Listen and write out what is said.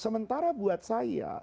sementara buat saya